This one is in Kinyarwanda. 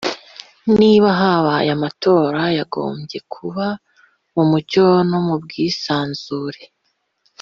niba habaye amatora yagombye kuba mu mucyo no mu bwisanzure